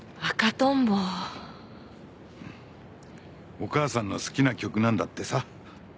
お母さんの好きな曲なんだってさ。